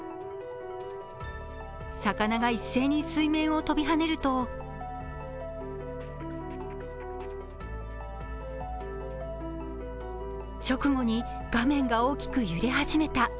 魚が一斉に水面を飛び跳ねると直後に画面が大きく揺れ始めた。